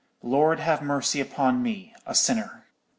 'Lord have mercy upon me, a sinner!'